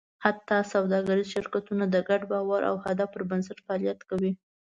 حتی سوداګریز شرکتونه د ګډ باور او هدف پر بنسټ فعالیت کوي.